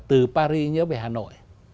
từ paris nhớ về hà nội